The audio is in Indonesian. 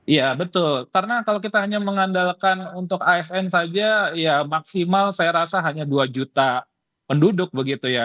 iya betul karena kalau kita hanya mengandalkan untuk asn saja ya maksimal saya rasa hanya dua juta penduduk begitu ya